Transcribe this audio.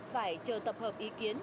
phải chờ tập hợp ý kiến